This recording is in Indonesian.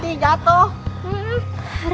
tidak ada yang aman